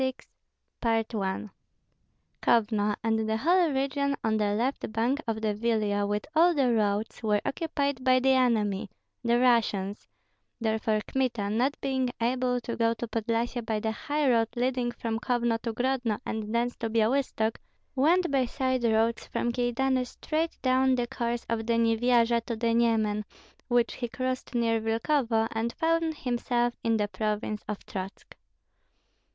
CHAPTER XXVI. Kovno, and the whole region on the left bank of the Vilia, with all the roads, were occupied by the enemy (the Russians); therefore Kmita, not being able to go to Podlyasye by the high road leading from Kovno to Grodno and thence to Byalystok, went by side roads from Kyedani straight down the course of the Nyevyaja to the Nyemen, which he crossed near Vilkovo, and found himself in the province of Trotsk.